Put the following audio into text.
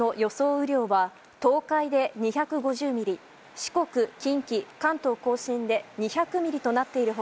雨量は東海で２５０ミリ四国、近畿関東・甲信で２００ミリとなっている他